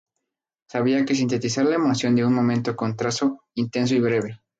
Sabía como sintetizar la emoción de un momento con trazo intenso y breve.